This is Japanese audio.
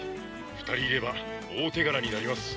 二人いれば大手柄になります。